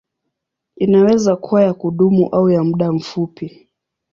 Inaweza kuwa ya kudumu au ya muda mfupi.